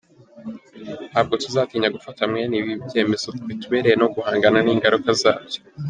Ntabwo tuzatinya gufata mwene ibi byemezo bitubereye no guhangana n’ingaruka zabyo.